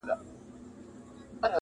څه موسم دا ستا په غېږ کې باراني شو